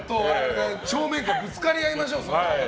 正面からぶつかり合いましょう。